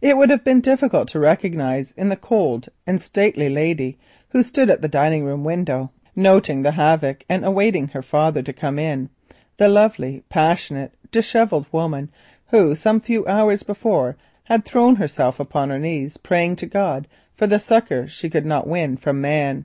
It would have been difficult to recognise in the cold and stately lady who stood at the dining room window, noting the havoc and waiting for her father to come in, the lovely, passionate, dishevelled woman who some few hours before had thrown herself upon her knees praying to God for the succour she could not win from man.